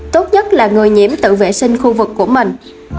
tốt nhất là người nhiễm tự vệ sinh khu vực của mình